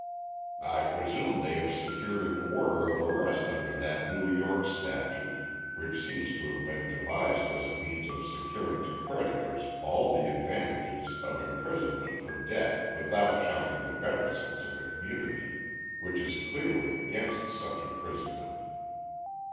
"I presume they have secured an order of arrest under that New York statute which seems to have been devised as a means of securing to creditors all the advantages of imprisonment for debt without shocking the better sense of the community, which is clearly against such imprisonment.